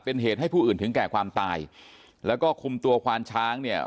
เป็นเหตุให้ผู้อื่นถึงแก่ความตายแล้วก็คุมตัวควานช้างเนี่ย